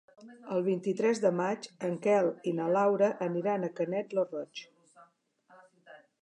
El vint-i-tres de maig en Quel i na Laura aniran a Canet lo Roig.